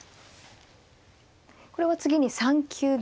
これは次に３九銀。